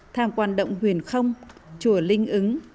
tham quan động huyền không chùa linh ứng